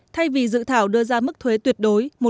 thay vì dự thảo đưa ra mức thuế tuyệt đối